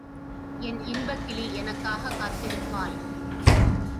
என் இன்பக் கிளி எனக்காகக் காத்திருப்பாள்.